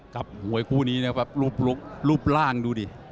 มวยคู่นี้นะครับรูปร่างดูดิ